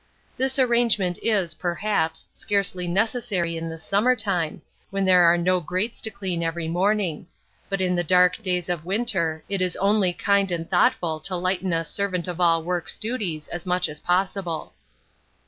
This arrangement is, perhaps, scarcely necessary in the summer time, when there are no grates to clean every morning; but in the dark days of winter it is only kind and thoughtful to lighten a servant of all work's duties as much as possible.